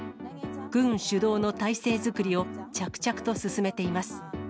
軍主導の体制作りを着々と進めています。